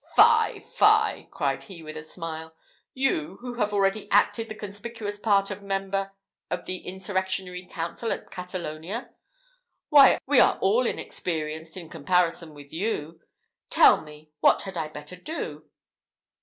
"Fie, fie!" cried he with a smile; "you, who have already acted the conspicuous part of member of the insurrectionary council of Catalonia! We are all inexperienced, in comparison with you. Tell me, what had I better do?"